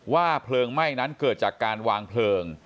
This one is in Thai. เพลิงไหม้นั้นเกิดจากการวางเพลิง